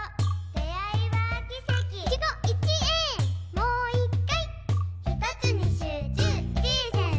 「もう一回」